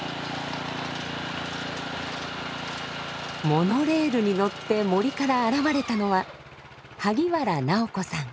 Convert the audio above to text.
モノレールに乗って森から現れたのは萩原尚子さん。